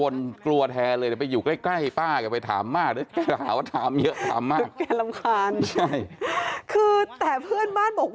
ตัวที่จับใจความได้แสดงต่างกับเรื่องอะไร